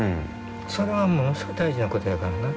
それはものすごく大事な事やからな